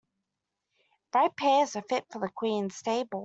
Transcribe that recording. Ripe pears are fit for a queen's table.